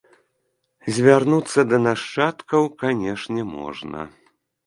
Звярнуцца да нашчадкаў, канешне, можна.